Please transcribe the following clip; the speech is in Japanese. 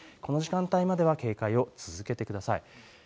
この時間帯までは警戒を続けてください。